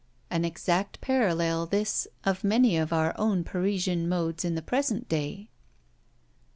An exact parallel this of many of our own Parisian modes in the present day.